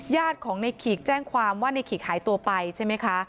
ญาติของในขีกแจ้งความว่าในขีกหายตัวไปใช่ไหมคะ